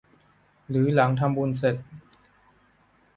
หรือหลังทำบุญเสร็จ